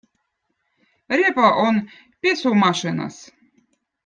repo on pesumašinõz